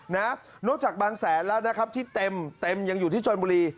นอกจากบางแสนแล้วนะครับที่เต็มเต็มยังอยู่ที่ชนบุรี